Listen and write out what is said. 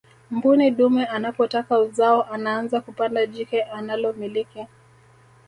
mbuni dume anapotaka uzao anaanza kupanda jike analomiliki